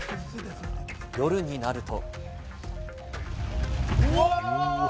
夜になると。